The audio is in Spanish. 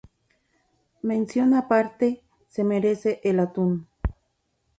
Mención aparte se merece el atún.